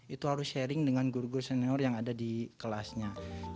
itu harus sharing dengan guru guru senior yang ada di kelasnya